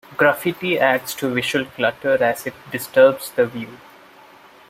Graffiti adds to visual clutter as it disturbs the view.